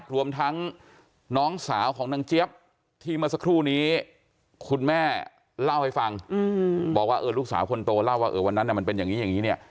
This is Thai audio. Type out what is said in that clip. รวมทั้งน้องสาวของนางเจี๊ยบที่เมื่อสักครู่นี้คุณแม่เล่าให้ฟังบอกว่าลูกสาวคนโตเล่าว่าวันนั้นมันเป็นอย่างนี้อย่างนี้เนี่ย